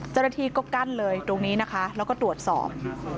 เจรฐีก็กั้นเลยตรงนี้นะคะแล้วก็ตรวจสอบ